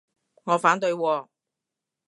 我反對喎